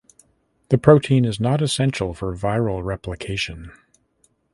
The protein is not essential for viral replication.